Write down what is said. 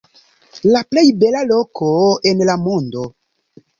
La plej bela loko en la mondo.